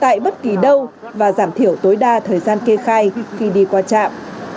tại bất kỳ đâu và giảm thiểu tối đa thời gian kê khai khi đi qua trạm